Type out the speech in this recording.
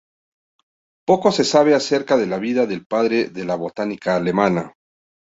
Poco se sabe acerca de la vida del "padre de la botánica alemana".